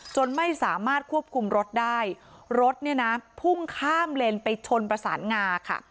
จนไม่สามารถควบคุมรถได้รถเนี่ยนะพุ่งข้ามเลนไปชนประสานงาค่ะ